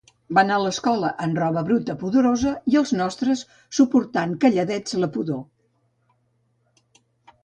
Van a escola amb roba bruta pudorosa i els nostres soportant calladets la pudor